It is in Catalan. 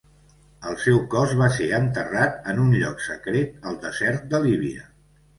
El seu cos va ser enterrat en un lloc secret al desert de Líbia.